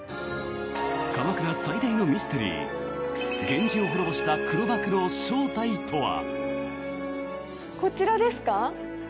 鎌倉最大のミステリー源氏を滅ぼした黒幕の正体とは？